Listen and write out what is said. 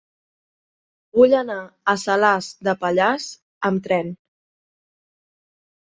Vull anar a Salàs de Pallars amb tren.